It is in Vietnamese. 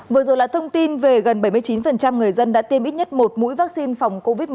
vừa rồi là thông tin về gần bảy mươi chín người dân đã tiêm ít nhất một mũi vaccine phòng covid một mươi chín